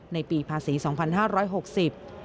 ในปีภาษี๒๕๖๐บาท